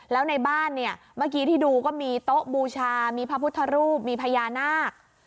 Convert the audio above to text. แล้วในบ้านเนี่ยเมื่อกี้ที่ดูก็มีโต๊ะบูชามีพระพุทธรูปมีพญานาค